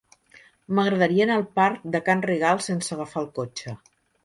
M'agradaria anar al parc de Can Rigal sense agafar el cotxe.